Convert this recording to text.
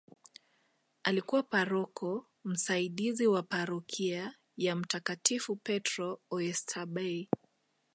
Alikuwa paroko msaidizi wa parokia ya mtakatifu Petro oysterbay